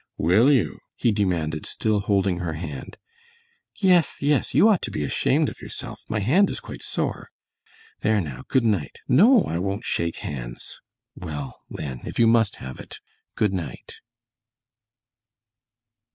"Will you?" he demanded, still holding her hand. "Yes, yes, you ought to be ashamed of yourself. My hand is quite sore. There, now, good night. No, I won't shake hands! Well, then, if you must have it, good night."